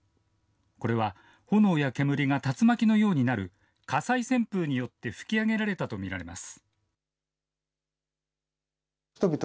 これは、炎や煙が竜巻のようになる火災旋風によって吹き上げられたと見られます。